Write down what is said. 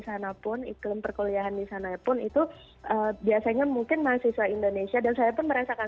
sana pun iklim perkuliahan di sana pun itu biasanya mungkin mahasiswa indonesia dan saya pun merasakan